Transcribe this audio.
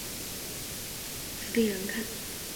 锉尾蛇主要分布于南印度及斯里兰卡。